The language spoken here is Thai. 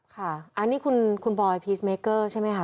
ค่ะอันนี้คุณบอยพีชเมเกอร์ใช่ไหมคะ